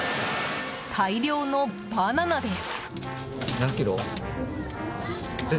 大量のバナナです。